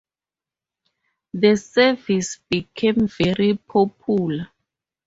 The service became very popular.